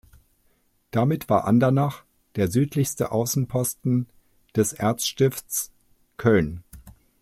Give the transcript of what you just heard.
Damit war Andernach der südlichste Außenposten des Erzstifts Köln.